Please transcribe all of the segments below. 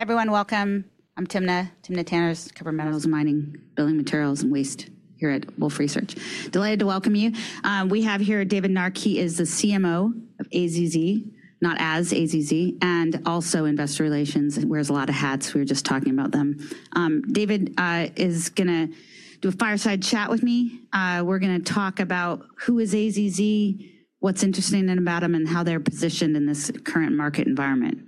Everyone, welcome. I'm Timna. Timna Tanners, cover metals, mining, building materials, and waste here at Wolfe Research. Delighted to welcome you. We have here David Nark. He is the CMO of AZZ, not as AZZ, and also investor relations. Wears a lot of hats. We were just talking about them. David is going to do a fireside chat with me. We're going to talk about who is AZZ, what's interesting about them, and how they're positioned in this current market environment.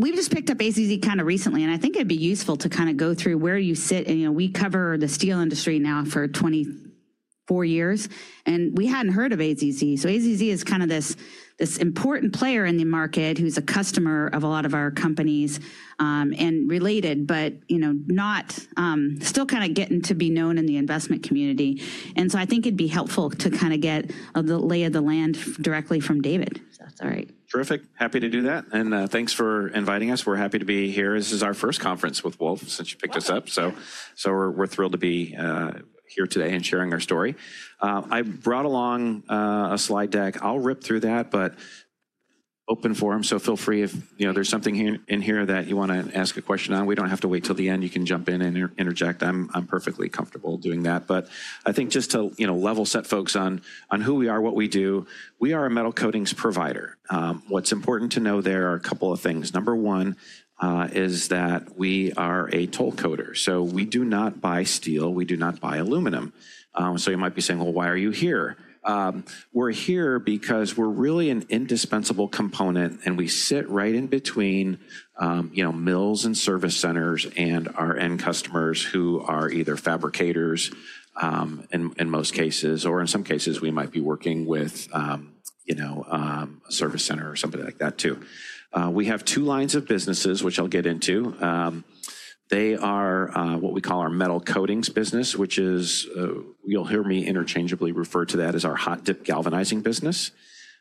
We've just picked up AZZ kind of recently, and I think it'd be useful to kind of go through where you sit. We cover the steel industry now for 24 years, and we hadn't heard of AZZ. AZZ is kind of this important player in the market who's a customer of a lot of our companies and related, but still kind of getting to be known in the investment community. I think it'd be helpful to kind of get a lay of the land directly from David, if that's all right. Terrific. Happy to do that. Thanks for inviting us. We're happy to be here. This is our first conference with Wolfe since you picked us up. We're thrilled to be here today and sharing our story. I brought along a slide deck. I'll rip through that, but open forum. If there's something in here that you want to ask a question on, we do not have to wait till the end. You can jump in and interject. I'm perfectly comfortable doing that. I think just to level set folks on who we are, what we do, we are a metal coatings provider. What's important to know, there are a couple of things. Number one is that we are a toll coater. We do not buy steel. We do not buy aluminum. You might be saying, why are you here? We're here because we're really an indispensable component, and we sit right in between mills and service centers and our end customers who are either fabricators in most cases, or in some cases, we might be working with a service center or something like that too. We have two lines of businesses, which I'll get into. They are what we call our metal coatings business, which is you'll hear me interchangeably refer to that as our hot dip galvanizing business.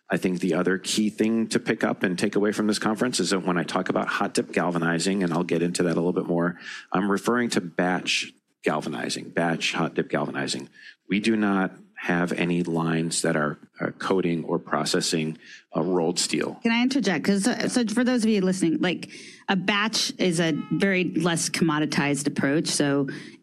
I think the other key thing to pick up and take away from this conference is that when I talk about hot dip galvanizing, and I'll get into that a little bit more, I'm referring to batch galvanizing, batch hot dip galvanizing. We do not have any lines that are coating or processing rolled steel. Can I interject? Because for those of you listening, a batch is a very less commoditized approach.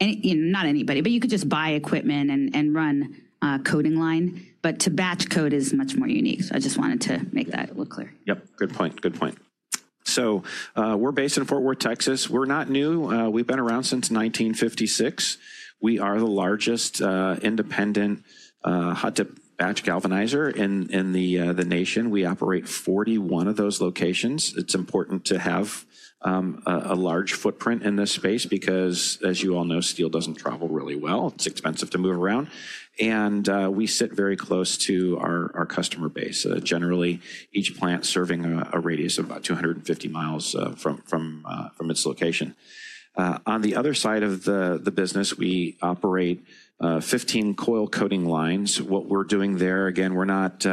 Not anybody, but you could just buy equipment and run a coating line. To batch coat is much more unique. I just wanted to make that clear. Yep. Good point. Good point. We are based in Fort Worth, Texas. We are not new. We have been around since 1956. We are the largest independent hot dip batch galvanizer in the nation. We operate 41 of those locations. It is important to have a large footprint in this space because, as you all know, steel does not travel really well. It is expensive to move around. We sit very close to our customer base, generally each plant serving a radius of about 250 mi from its location. On the other side of the business, we operate 15 coil coating lines. What we are doing there, again, we are not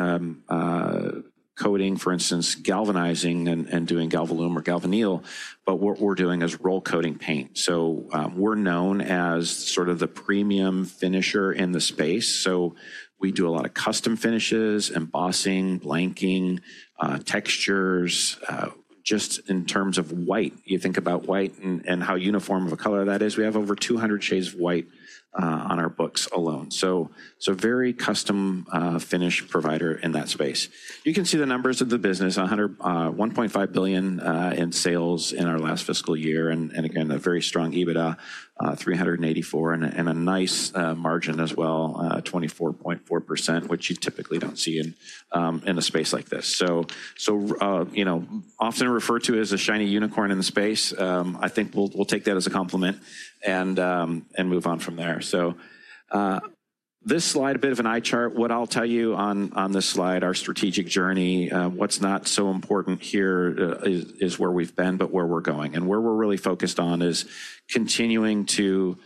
coating, for instance, galvanizing and doing Galvalume or Galvanyl, but what we are doing is roll coating paint. We are known as sort of the premium finisher in the space. We do a lot of custom finishes, embossing, blanking, textures, just in terms of white. You think about white and how uniform of a color that is. We have over 200 shades of white on our books alone. So very custom finish provider in that space. You can see the numbers of the business, $1.5 billion in sales in our last fiscal year. And again, a very strong EBITDA, $384 million, and a nice margin as well, 24.4%, which you typically do not see in a space like this. So often referred to as a shiny unicorn in the space, I think we will take that as a compliment and move on from there. This slide, a bit of an eye chart. What I will tell you on this slide, our strategic journey, what is not so important here is where we have been, but where we are going. We are really focused on continuing to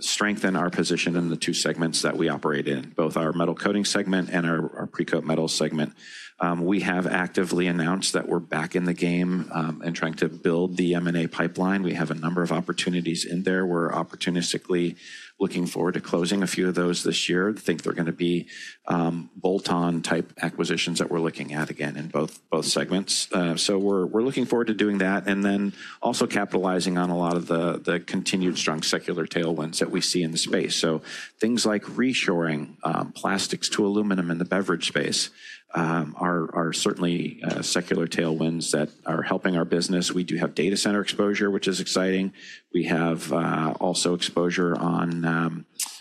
strengthen our position in the two segments that we operate in, both our Metal Coating segment and our Pre-Coat Metal segment. We have actively announced that we're back in the game and trying to build the M&A pipeline. We have a number of opportunities in there. We're opportunistically looking forward to closing a few of those this year. I think they're going to be bolt-on type acquisitions that we're looking at again in both segments. We are looking forward to doing that and also capitalizing on a lot of the continued strong secular tailwinds that we see in the space. Things like reshoring plastics to aluminum in the beverage space are certainly secular tailwinds that are helping our business. We do have data center exposure, which is exciting. We have also exposure on,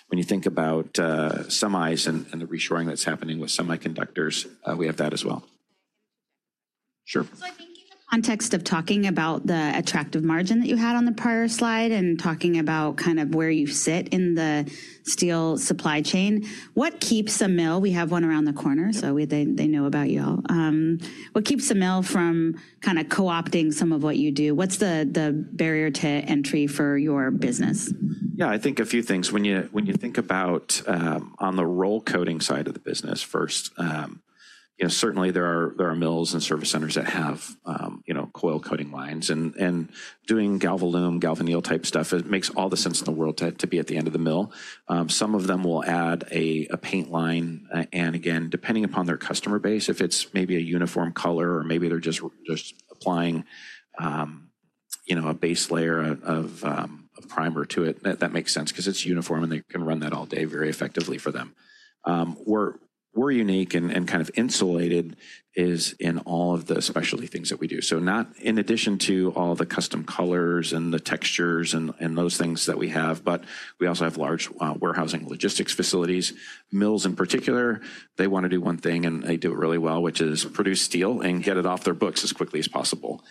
when you think about semis and the reshoring that's happening with semiconductors, we have that as well. Sure. I think in the context of talking about the attractive margin that you had on the prior slide and talking about kind of where you sit in the steel supply chain, what keeps a mill? We have one around the corner, so they know about you all. What keeps a mill from kind of co-opting some of what you do? What's the barrier to entry for your business? Yeah, I think a few things. When you think about on the roll coating side of the business first, certainly there are mills and service centers that have coil coating lines. And doing Galvalume, Galvanyl type stuff, it makes all the sense in the world to be at the end of the mill. Some of them will add a paint line. And again, depending upon their customer base, if it's maybe a uniform color or maybe they're just applying a base layer of primer to it, that makes sense because it's uniform and they can run that all day very effectively for them. We're unique and kind of insulated in all of the specialty things that we do. So not in addition to all the custom colors and the textures and those things that we have, but we also have large warehousing logistics facilities. Mills in particular, they want to do one thing and they do it really well, which is produce steel and get it off their books as quickly as possible.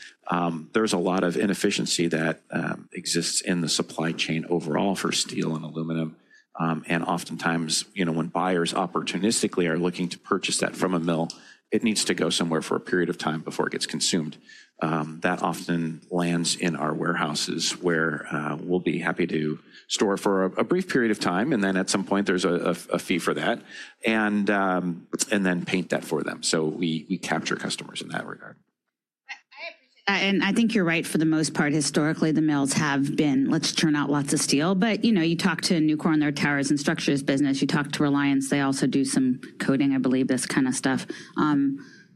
There is a lot of inefficiency that exists in the supply chain overall for steel and aluminum. Oftentimes when buyers opportunistically are looking to purchase that from a mill, it needs to go somewhere for a period of time before it gets consumed. That often lands in our warehouses where we will be happy to store for a brief period of time, and then at some point there is a fee for that, and then paint that for them. We capture customers in that regard. I think you're right. For the most part, historically, the mills have been let's churn out lots of steel. You talk to Nucor on their towers and structures business. You talk to Reliance, they also do some coating, I believe, this kind of stuff.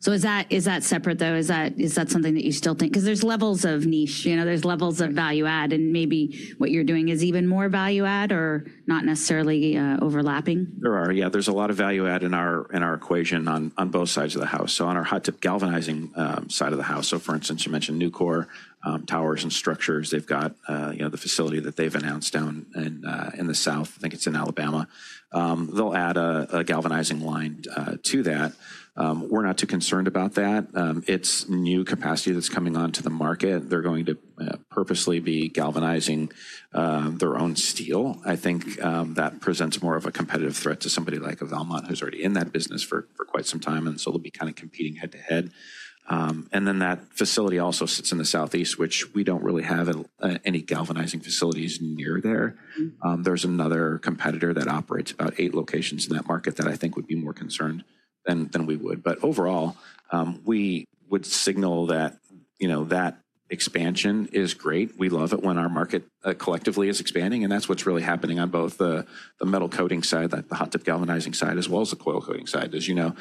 Is that separate, though? Is that something that you still think? Because there's levels of niche. There's levels of value add, and maybe what you're doing is even more value add or not necessarily overlapping. There are, yeah. There's a lot of value add in our equation on both sides of the house. On our hot dip galvanizing side of the house, for instance, you mentioned Nucor towers and structures. They've got the facility that they've announced down in the South. I think it's in Alabama. They'll add a galvanizing line to that. We're not too concerned about that. It's new capacity that's coming onto the market. They're going to purposely be galvanizing their own steel. I think that presents more of a competitive threat to somebody like a Valmont who's already in that business for quite some time. They'll be kind of competing head to head. That facility also sits in the Southeast, which we don't really have any galvanizing facilities near there. There's another competitor that operates about eight locations in that market that I think would be more concerned than we would. Overall, we would signal that that expansion is great. We love it when our market collectively is expanding. That's what's really happening on both the metal coating side, the hot dip galvanizing side, as well as the coil coating side. As you know,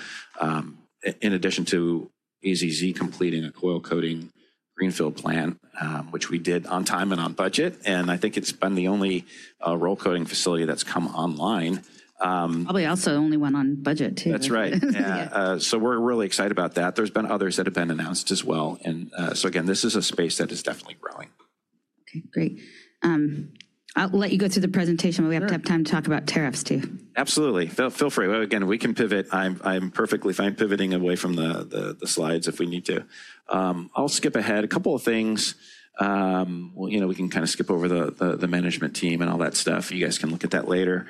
in addition to AZZ completing a coil coating greenfield plan, which we did on time and on budget, I think it's been the only roll coating facility that's come online. Probably also the only one on budget too. That's right. Yeah. We're really excited about that. There have been others that have been announced as well. This is a space that is definitely growing. Okay, great. I'll let you go through the presentation. We have to have time to talk about tariffs too. Absolutely. Feel free. Again, we can pivot. I'm perfectly fine pivoting away from the slides if we need to. I'll skip ahead. A couple of things. We can kind of skip over the management team and all that stuff. You guys can look at that later.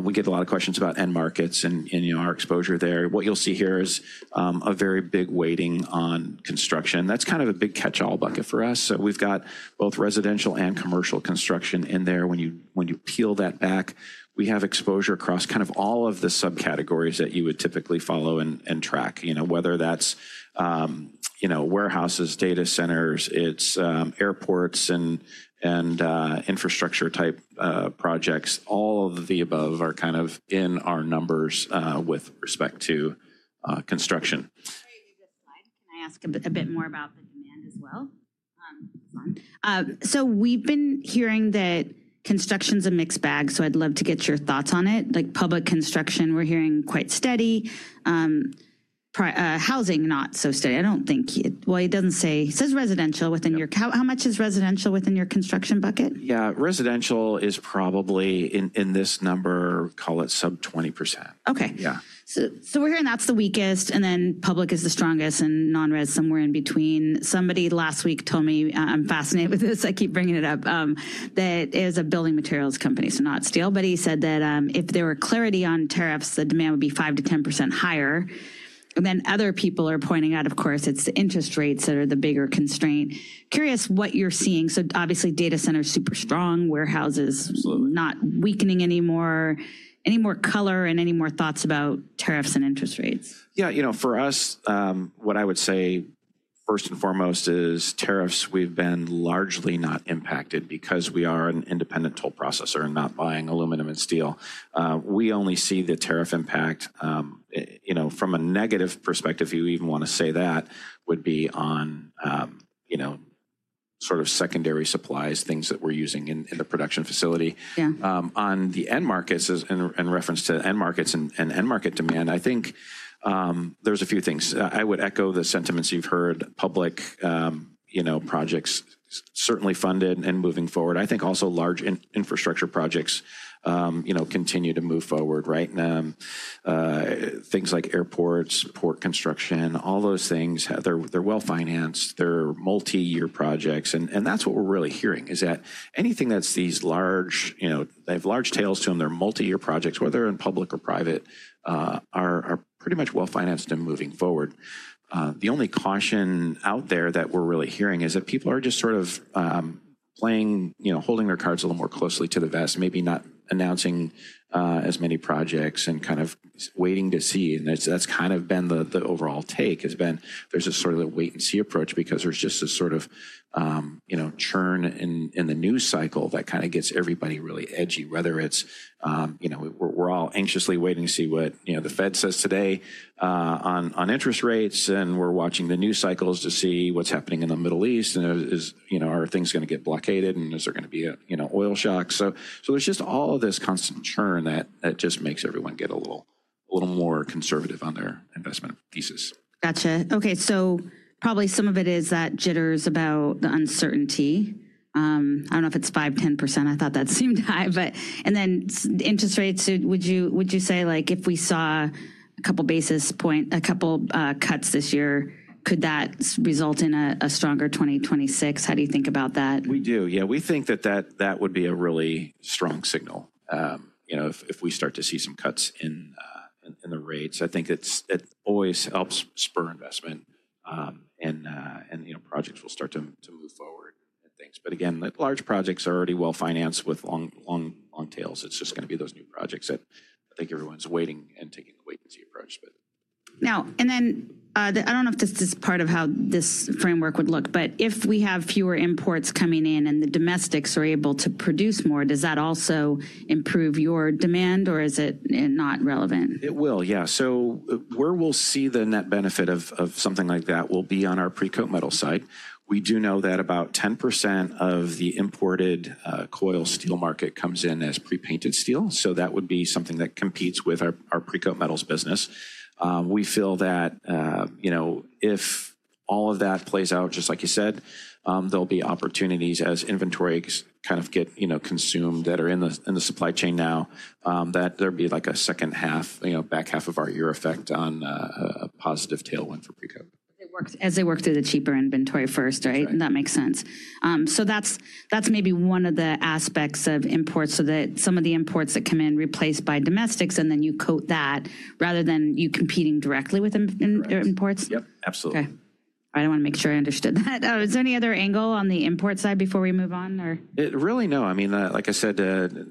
We get a lot of questions about end markets and our exposure there. What you'll see here is a very big weighting on construction. That's kind of a big catch-all bucket for us. We have both residential and commercial construction in there. When you peel that back, we have exposure across all of the subcategories that you would typically follow and track, whether that's warehouses, data centers, airports, and infrastructure type projects. All of the above are in our numbers with respect to construction. Can I ask a bit more about the demand as well? We've been hearing that construction's a mixed bag, so I'd love to get your thoughts on it. Public construction, we're hearing quite steady. Housing, not so steady. I don't think, it says residential within your, how much is residential within your construction bucket? Yeah, residential is probably in this number, call it sub 20%. Okay. We're hearing that's the weakest, and then public is the strongest and non-res somewhere in between. Somebody last week told me, I'm fascinated with this. I keep bringing it up, that it is a building materials company, so not steel. He said that if there were clarity on tariffs, the demand would be 5%-10% higher. Other people are pointing out, of course, it's the interest rates that are the bigger constraint. Curious what you're seeing. Obviously, data center is super strong. Warehouses not weakening anymore. Any more color and any more thoughts about tariffs and interest rates? Yeah, for us, what I would say first and foremost is tariffs, we've been largely not impacted because we are an independent toll processor and not buying aluminum and steel. We only see the tariff impact from a negative perspective. You even want to say that would be on sort of secondary supplies, things that we're using in the production facility. On the end markets, in reference to end markets and end market demand, I think there's a few things. I would echo the sentiments you've heard. Public projects certainly funded and moving forward. I think also large infrastructure projects continue to move forward. Things like airports, port construction, all those things, they're well-financed. They're multi-year projects. That's what we're really hearing is that anything that's these large, they have large tails to them, they're multi-year projects, whether in public or private, are pretty much well-financed and moving forward. The only caution out there that we're really hearing is that people are just sort of playing, holding their cards a little more closely to the vest, maybe not announcing as many projects and kind of waiting to see. That's kind of been the overall take, has been there's a sort of wait and see approach because there's just a sort of churn in the news cycle that kind of gets everybody really edgy, whether it's we're all anxiously waiting to see what the Fed says today on interest rates, and we're watching the news cycles to see what's happening in the Middle East, and are things going to get blockaded, and is there going to be an oil shock. There's just all of this constant churn that just makes everyone get a little more conservative on their investment thesis. Gotcha. Okay. So probably some of it is that jitters about the uncertainty. I do not know if it is 5%-10%. I thought that seemed high. And then interest rates, would you say if we saw a couple of basis points, a couple of cuts this year, could that result in a stronger 2026? How do you think about that? We do. Yeah, we think that that would be a really strong signal if we start to see some cuts in the rates. I think it always helps spur investment, and projects will start to move forward and things. Again, large projects are already well-financed with long tails. It's just going to be those new projects that I think everyone's waiting and taking a wait and see approach. Now, and then I don't know if this is part of how this framework would look, but if we have fewer imports coming in and the domestics are able to produce more, does that also improve your demand, or is it not relevant? It will, yeah. Where we'll see the net benefit of something like that will be on our pre-coat metals side. We do know that about 10% of the imported coil steel market comes in as pre-painted steel. That would be something that competes with our pre-coat metals business. We feel that if all of that plays out, just like you said, there will be opportunities as inventories kind of get consumed that are in the supply chain now, that there would be a second half, back half of our year effect on a positive tailwind for pre-coat. As they work through the cheaper inventory first, right? That makes sense. That's maybe one of the aspects of imports, so that some of the imports that come in are replaced by domestics, and then you coat that rather than you competing directly with imports. Yep, absolutely. Okay. I want to make sure I understood that. Is there any other angle on the import side before we move on? Really, no. I mean, like I said,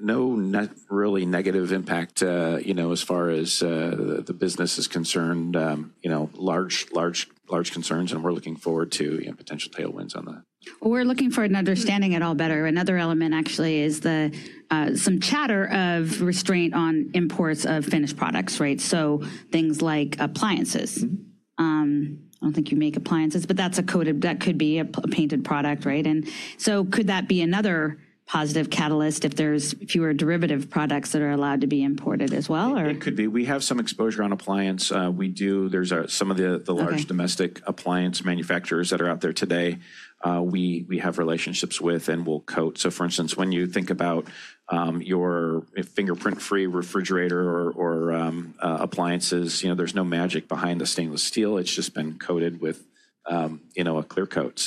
no really negative impact as far as the business is concerned. Large concerns, and we're looking forward to potential tailwinds on that. We're looking for an understanding it all better. Another element actually is some chatter of restraint on imports of finished products, right? Things like appliances. I don't think you make appliances, but that could be a painted product, right? Could that be another positive catalyst if there's fewer derivative products that are allowed to be imported as well, or? It could be. We have some exposure on appliance. We do. There are some of the large domestic appliance manufacturers that are out there today we have relationships with and will coat. For instance, when you think about your fingerprint-free refrigerator or appliances, there is no magic behind the stainless steel. It has just been coated with a clear coat.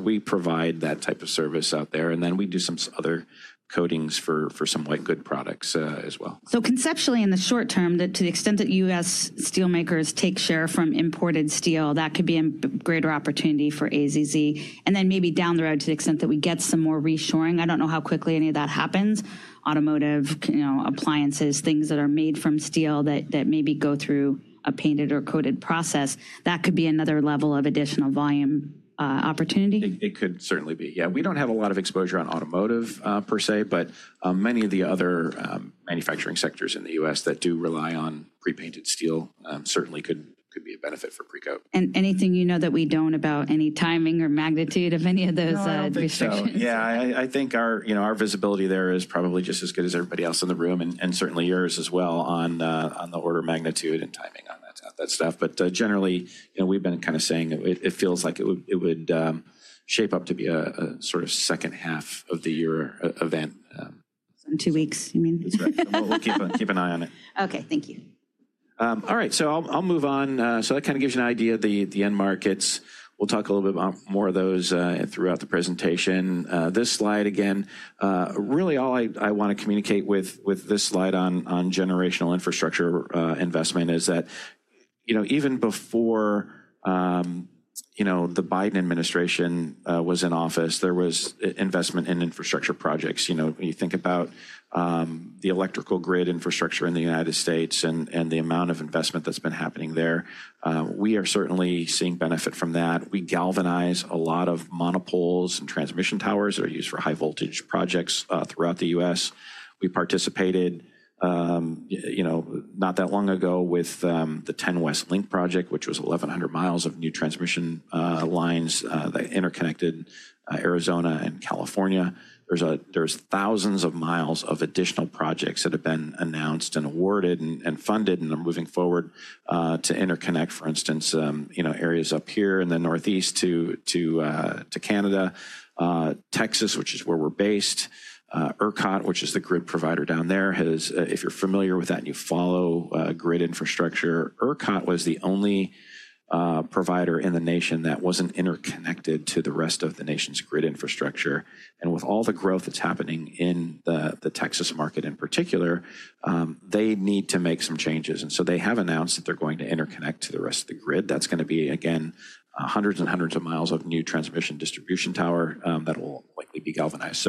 We provide that type of service out there. We do some other coatings for some like good products as well. Conceptually, in the short term, to the extent that U.S. steel makers take share from imported steel, that could be a greater opportunity for AZZ. Then maybe down the road, to the extent that we get some more reshoring, I do not know how quickly any of that happens, automotive, appliances, things that are made from steel that maybe go through a painted or coated process, that could be another level of additional volume opportunity. It could certainly be. Yeah. We don't have a lot of exposure on automotive per se, but many of the other manufacturing sectors in the U.S. that do rely on pre-painted steel certainly could be a benefit for pre-coat. Anything you know that we do not about any timing or magnitude of any of those restrictions? Yeah, I think our visibility there is probably just as good as everybody else in the room and certainly yours as well on the order magnitude and timing on that stuff. Generally, we've been kind of saying it feels like it would shape up to be a sort of second half of the year event. In two weeks, you mean? That's right. We'll keep an eye on it. Okay, thank you. All right, so I'll move on. That kind of gives you an idea of the end markets. We'll talk a little bit more of those throughout the presentation. This slide, again, really all I want to communicate with this slide on generational infrastructure investment is that even before the Biden administration was in office, there was investment in infrastructure projects. You think about the electrical grid infrastructure in the United States and the amount of investment that's been happening there. We are certainly seeing benefit from that. We galvanize a lot of monopoles and transmission towers that are used for high voltage projects throughout the U.S. We participated not that long ago with the Ten West Link project, which was 1,100 mi of new transmission lines that interconnected Arizona and California. There's thousands of miles of additional projects that have been announced and awarded and funded and are moving forward to interconnect, for instance, areas up here in the Northeast to Canada, Texas, which is where we're based. ERCOT, which is the grid provider down there, if you're familiar with that and you follow grid infrastructure, ERCOT was the only provider in the nation that wasn't interconnected to the rest of the nation's grid infrastructure. With all the growth that's happening in the Texas market in particular, they need to make some changes. They have announced that they're going to interconnect to the rest of the grid. That's going to be, again, hundreds and hundreds of miles of new transmission distribution tower that will likely be galvanized.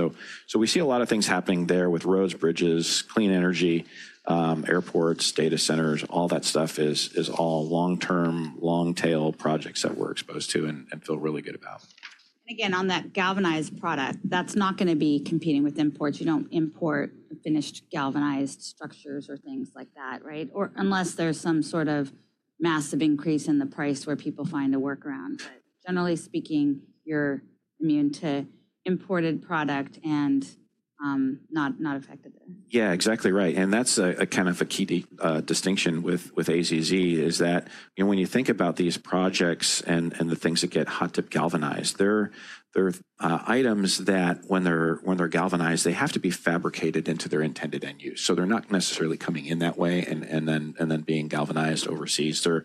We see a lot of things happening there with roads, bridges, clean energy, airports, data centers, all that stuff is all long-term, long-tail projects that we're exposed to and feel really good about. Again, on that galvanized product, that's not going to be competing with imports. You don't import finished galvanized structures or things like that, right? Unless there's some sort of massive increase in the price where people find a workaround. Generally speaking, you're immune to imported product and not affected. Yeah, exactly right. That is kind of a key distinction with AZZ is that when you think about these projects and the things that get hot dip galvanize, they're items that when they're galvanized, they have to be fabricated into their intended end use. They're not necessarily coming in that way and then being galvanized overseas. They're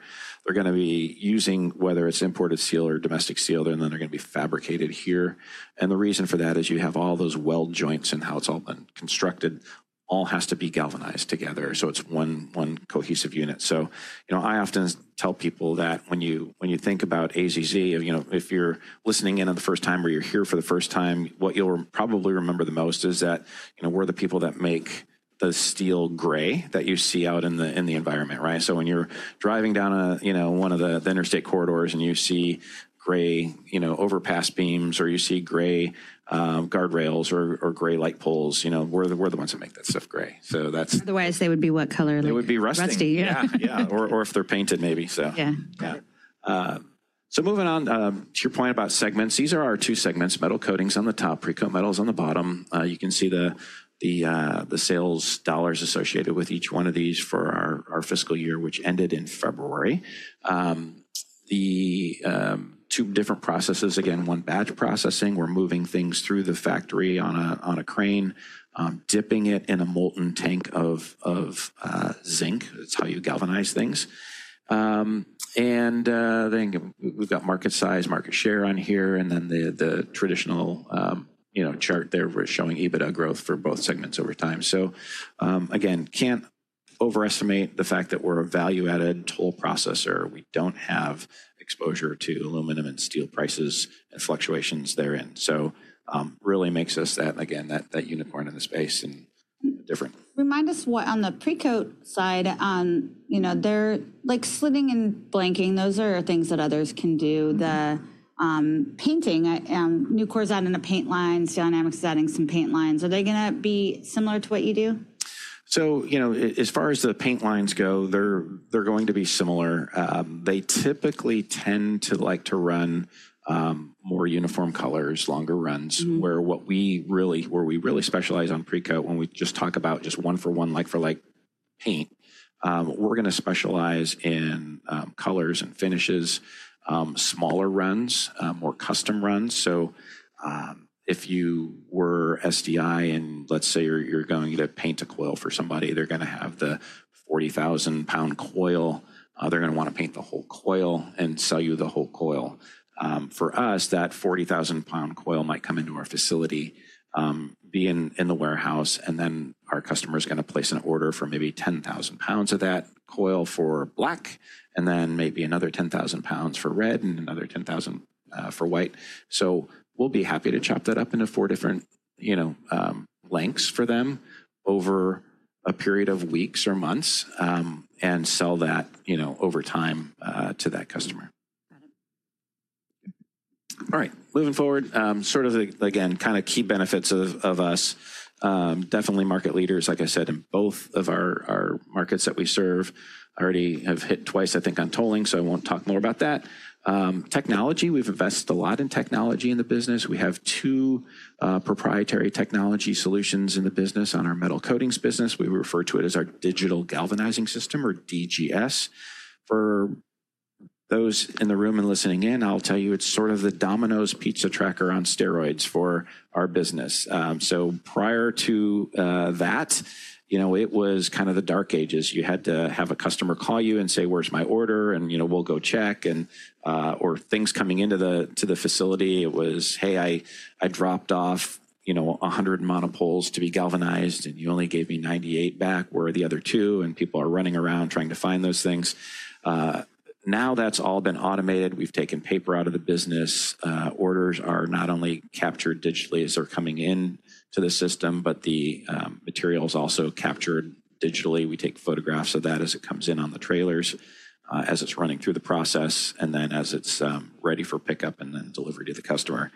going to be using whether it's imported steel or domestic steel, and then they're going to be fabricated here. The reason for that is you have all those weld joints and how it's all been constructed, all has to be galvanized together. It is one cohesive unit. I often tell people that when you think about AZZ, if you're listening in the first time or you're here for the first time, what you'll probably remember the most is that we're the people that make the steel gray that you see out in the environment, right? When you're driving down one of the interstate corridors and you see gray overpass beams or you see gray guardrails or gray light poles, we're the ones that make that stuff gray. That's. Otherwise, they would be what color? They would be rusty. Yeah, yeah. Or if they're painted, maybe. Moving on to your point about segments, these are our two segments, Metal Coatings on the top, Pre-Coat Metals on the bottom. You can see the sales dollars associated with each one of these for our fiscal year, which ended in February. The two different processes, again, one batch processing, we're moving things through the factory on a crane, dipping it in a molten tank of zinc. That's how you galvanize things. We've got market size, market share on here, and then the traditional chart there was showing EBITDA growth for both segments over time. Again, can't overestimate the fact that we're a value-added toll processor. We don't have exposure to aluminum and steel prices and fluctuations therein. Really makes us that, again, that unicorn in the space and different. Remind us what on the pre-coat side, they're like slitting and blanking. Those are things that others can do. The painting, Nucor is adding a paint line, Steel Dynamics is adding some paint lines. Are they going to be similar to what you do? As far as the paint lines go, they're going to be similar. They typically tend to like to run more uniform colors, longer runs, where we really specialize on pre-coat when we just talk about just one-for-one, like-for-like paint. We're going to specialize in colors and finishes, smaller runs, more custom runs. If you were SDI and let's say you're going to paint a coil for somebody, they're going to have the 40,000-pound coil. They're going to want to paint the whole coil and sell you the whole coil. For us, that 40,000-pound coil might come into our facility, be in the warehouse, and then our customer is going to place an order for maybe 10,000 pounds of that coil for black, and then maybe another 10,000 pounds for red and another 10,000 for white. We'll be happy to chop that up into four different lengths for them over a period of weeks or months and sell that over time to that customer. Got it. All right. Moving forward, sort of again, kind of key benefits of us. Definitely market leaders, like I said, in both of our markets that we serve, already have hit twice, I think, on tolling, so I won't talk more about that. Technology, we've invested a lot in technology in the business. We have two proprietary technology solutions in the business on our metal coatings business. We refer to it as our Digital Galvanizing System or DGS. For those in the room and listening in, I'll tell you it's sort of the Domino's pizza tracker on steroids for our business. Prior to that, it was kind of the dark ages. You had to have a customer call you and say, "Where's my order?" and we'll go check or things coming into the facility. It was, "Hey, I dropped off 100 monopoles to be galvanized, and you only gave me 98 back. Where are the other two?" People are running around trying to find those things. Now that has all been automated. We have taken paper out of the business. Orders are not only captured digitally as they are coming into the system, but the materials are also captured digitally. We take photographs of that as it comes in on the trailers, as it is running through the process, and then as it is ready for pickup and then delivery to the customer.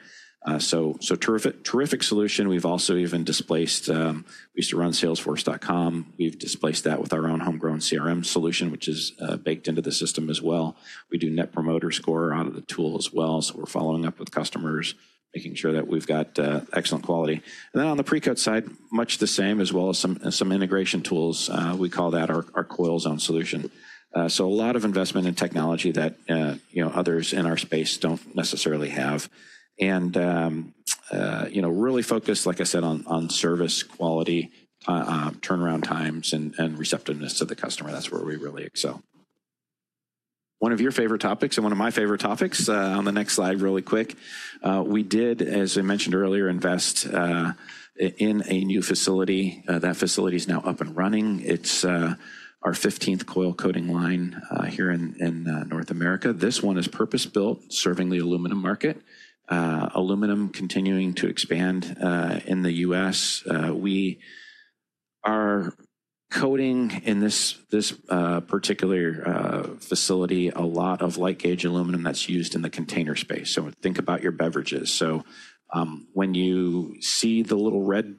Terrific solution. We have also even displaced, we used to run salesforce.com. We have displaced that with our own homegrown CRM solution, which is baked into the system as well. We do Net Promoter Score out of the tool as well. We are following up with customers, making sure that we have excellent quality. On the pre-coat side, much the same, as well as some integration tools. We call that our CoilZone solution. A lot of investment in technology that others in our space do not necessarily have. Really focused, like I said, on service quality, turnaround times, and receptiveness to the customer. That is where we really excel. One of your favorite topics and one of my favorite topics on the next slide really quick. We did, as I mentioned earlier, invest in a new facility. That facility is now up and running. It is our 15th coil coating line here in North America. This one is purpose-built, serving the aluminum market, aluminum continuing to expand in the U.S. We are coating in this particular facility a lot of light gauge aluminum that is used in the container space. Think about your beverages. When you see the little red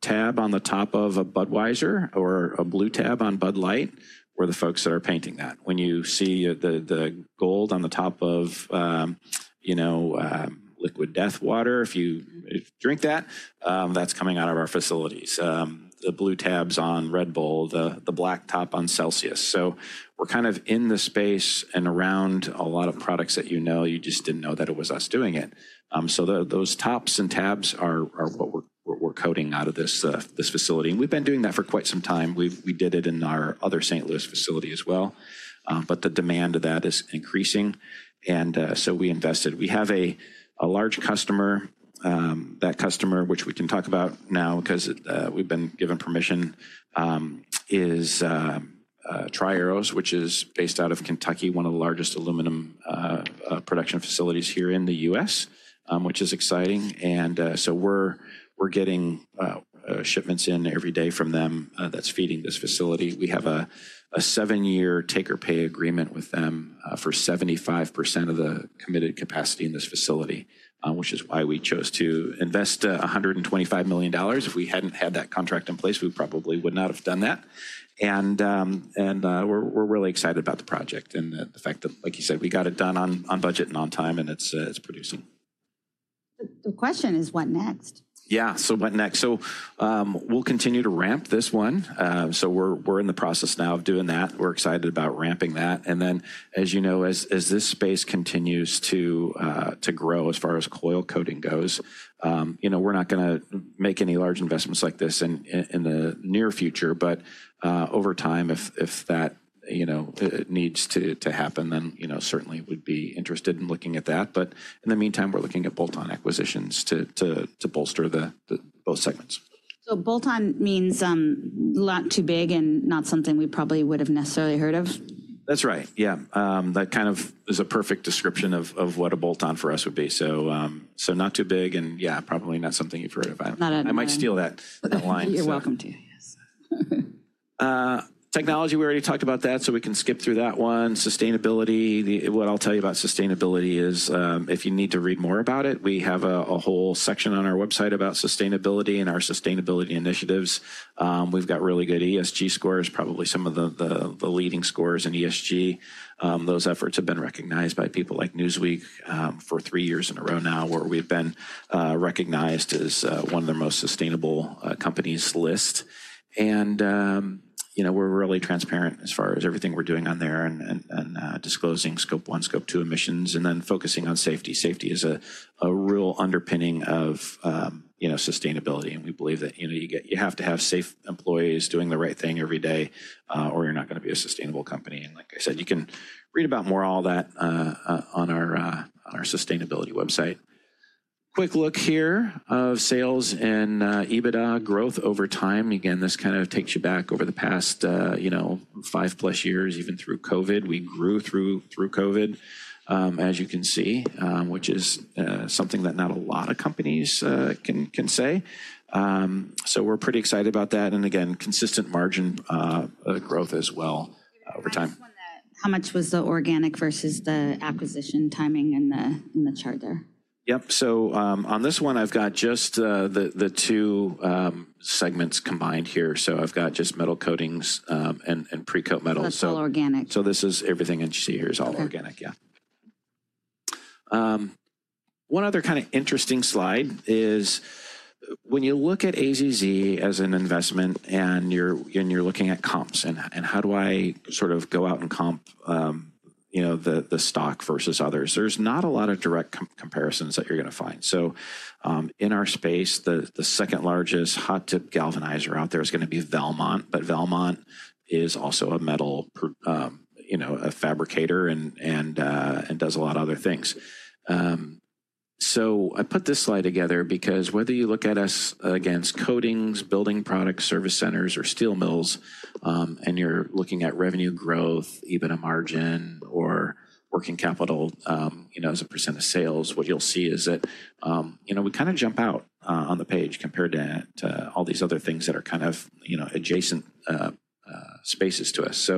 tab on the top of a Budweiser or a blue tab on Bud Light, we're the folks that are painting that. When you see the gold on the top of Liquid Death water, if you drink that, that's coming out of our facilities. The blue tabs on Red Bull, the black top on Celsius. We're kind of in the space and around a lot of products that you know, you just didn't know that it was us doing it. Those tops and tabs are what we're coating out of this facility. We've been doing that for quite some time. We did it in our other St. Louis facility as well. The demand of that is increasing. We invested. We have a large customer. That customer, which we can talk about now because we've been given permission, is Tri-Arrows, which is based out of Kentucky, one of the largest aluminum production facilities here in the U.S., which is exciting. We are getting shipments in every day from them that's feeding this facility. We have a seven-year take-or-pay agreement with them for 75% of the committed capacity in this facility, which is why we chose to invest $125 million. If we hadn't had that contract in place, we probably would not have done that. We are really excited about the project and the fact that, like you said, we got it done on budget and on time, and it's producing. The question is, what next? Yeah, so what next? We'll continue to ramp this one. We're in the process now of doing that. We're excited about ramping that. As you know, as this space continues to grow as far as coil coating goes, we're not going to make any large investments like this in the near future. Over time, if that needs to happen, then certainly we'd be interested in looking at that. In the meantime, we're looking at bolt-on acquisitions to bolster both segments. Bolt-on means not too big and not something we probably would have necessarily heard of. That's right. Yeah. That kind of is a perfect description of what a bolt-on for us would be. Not too big and, yeah, probably not something you've heard of. I might steal that line. You're welcome to. Technology, we already talked about that, so we can skip through that one. Sustainability. What I'll tell you about sustainability is if you need to read more about it, we have a whole section on our website about sustainability and our sustainability initiatives. We've got really good ESG scores, probably some of the leading scores in ESG. Those efforts have been recognized by people like Newsweek for three years in a row now, where we've been recognized as one of the most sustainable companies list. We're really transparent as far as everything we're doing on there and disclosing Scope 1, Scope 2 emissions and then focusing on safety. Safety is a real underpinning of sustainability. We believe that you have to have safe employees doing the right thing every day, or you're not going to be a sustainable company. Like I said, you can read about more all that on our sustainability website. Quick look here of sales and EBITDA growth over time. Again, this kind of takes you back over the past five-plus years, even through COVID. We grew through COVID, as you can see, which is something that not a lot of companies can say. We're pretty excited about that. Again, consistent margin growth as well over time. How much was the organic versus the acquisition timing in the chart there? Yep. On this one, I've got just the two segments combined here. I've got just Metal Coatings and Pre-Coat Metals. That's all organic. This is everything you see here is all organic, yeah. One other kind of interesting slide is when you look at AZZ as an investment and you're looking at comps and how do I sort of go out and comp the stock versus others, there's not a lot of direct comparisons that you're going to find. In our space, the second largest hot dip galvanizer out there is going to be Valmont, but Valmont is also a metal fabricator and does a lot of other things. I put this slide together because whether you look at us against coatings, building products, service centers, or steel mills, and you're looking at revenue growth, EBITDA margin, or working capital as a percent of sales, what you'll see is that we kind of jump out on the page compared to all these other things that are kind of adjacent spaces to us.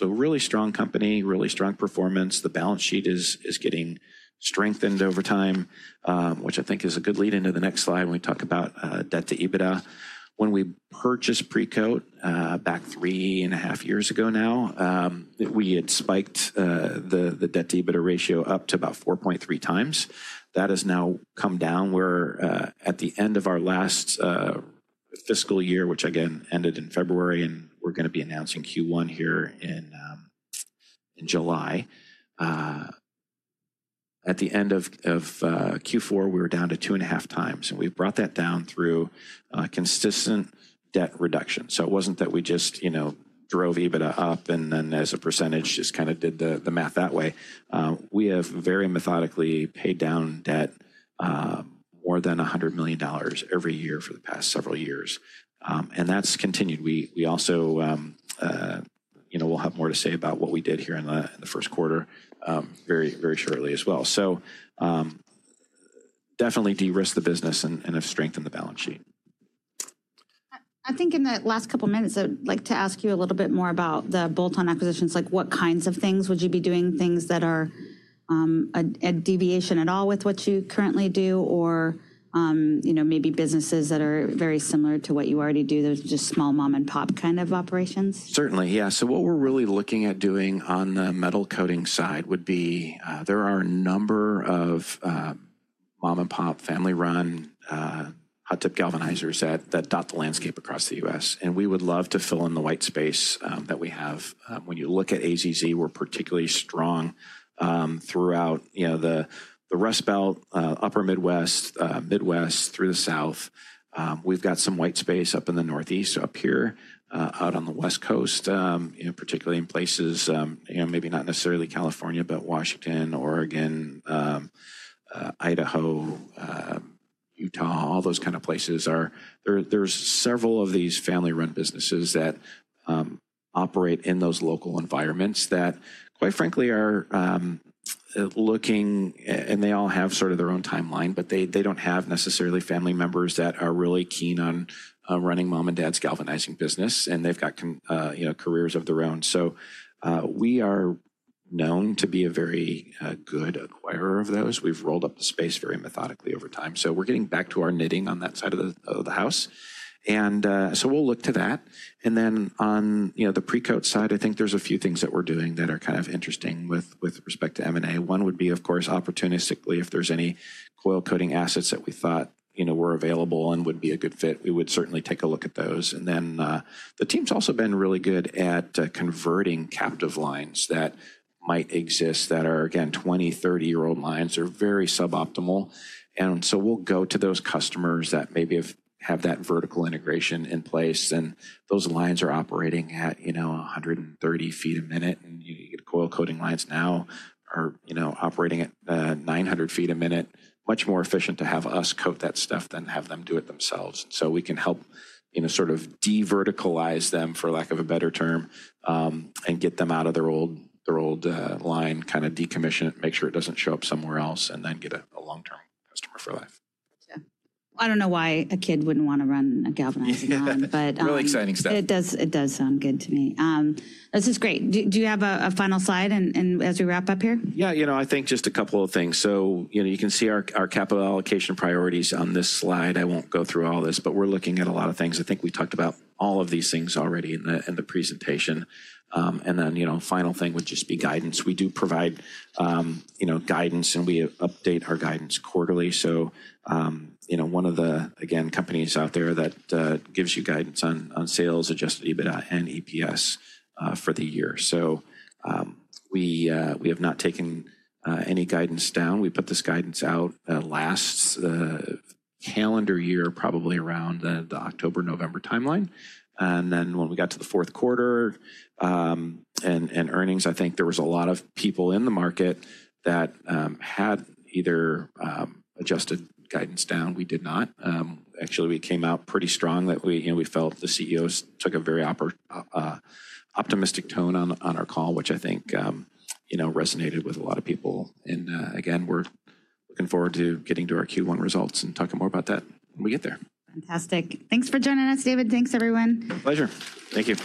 Really strong company, really strong performance. The balance sheet is getting strengthened over time, which I think is a good lead into the next slide when we talk about debt-to-EBITDA. When we purchased pre-coat back three and a half years ago now, we had spiked the debt-to-EBITDA ratio up to about 4.3 times. That has now come down. We're at the end of our last fiscal year, which again ended in February, and we're going to be announcing Q1 here in July. At the end of Q4, we were down to 2.5x, and we've brought that down through consistent debt reduction. It wasn't that we just drove EBITDA up and then as a percentage just kind of did the math that way. We have very methodically paid down debt more than $100 million every year for the past several years. That has continued. We also will have more to say about what we did here in the first quarter very shortly as well. We definitely de-risked the business and have strengthened the balance sheet. I think in the last couple of minutes, I'd like to ask you a little bit more about the bolt-on acquisitions. What kinds of things would you be doing? Things that are a deviation at all with what you currently do or maybe businesses that are very similar to what you already do, those just small mom-and-pop kind of operations? Certainly, yeah. What we're really looking at doing on the metal coating side would be there are a number of mom-and-pop family-run hot dip galvanizers that dot the landscape across the U.S. We would love to fill in the white space that we have. When you look at AZZ, we're particularly strong throughout the Rust Belt, Upper Midwest, Midwest, through the South. We've got some white space up in the Northeast, up here, out on the West Coast, particularly in places, maybe not necessarily California, but Washington, Oregon, Idaho, Utah, all those kind of places. There are several of these family-run businesses that operate in those local environments that, quite frankly, are looking, and they all have sort of their own timeline, but they do not have necessarily family members that are really keen on running mom-and-dad's galvanizing business, and they've got careers of their own. We are known to be a very good acquirer of those. We have rolled up the space very methodically over time. We are getting back to our knitting on that side of the house. We will look to that. On the pre-coat side, I think there are a few things that we are doing that are kind of interesting with respect to M&A. One would be, of course, opportunistically, if there are any coil coating assets that we thought were available and would be a good fit, we would certainly take a look at those. The team has also been really good at converting captive lines that might exist that are, again, 20, 30-year-old lines that are very suboptimal. We will go to those customers that maybe have that vertical integration in place. Those lines are operating at 130 ft a minute. You get coil coating lines now are operating at 900 ft a minute. Much more efficient to have us coat that stuff than have them do it themselves. We can help sort of de-verticalize them, for lack of a better term, and get them out of their old line, kind of decommission it, make sure it does not show up somewhere else, and then get a long-term customer for life. Gotcha. I don't know why a kid wouldn't want to run a galvanizing line, but. Really exciting stuff. It does sound good to me. This is great. Do you have a final slide as we wrap up here? Yeah, I think just a couple of things. You can see our capital allocation priorities on this slide. I will not go through all this, but we are looking at a lot of things. I think we talked about all of these things already in the presentation. The final thing would just be guidance. We do provide guidance, and we update our guidance quarterly. One of the, again, companies out there that gives you guidance on sales, adjusted EBITDA, and EPS for the year. We have not taken any guidance down. We put this guidance out that lasts the calendar year, probably around the October, November timeline. When we got to the fourth quarter and earnings, I think there were a lot of people in the market that had either adjusted guidance down. We did not. Actually, we came out pretty strong that we felt the CEOs took a very optimistic tone on our call, which I think resonated with a lot of people. Again, we're looking forward to getting to our Q1 results and talking more about that when we get there. Fantastic. Thanks for joining us, David. Thanks, everyone. My pleasure. Thank you.